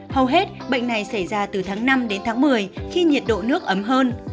hầu hết bệnh này xảy ra từ tháng năm đến tháng một mươi khi nhiệt độ nước ấm hơn